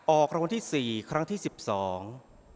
ออกรางวัลที่สี่ครั้งที่สิบสอง